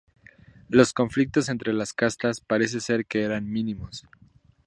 Los conflictos entre las castas parece ser que eran mínimos.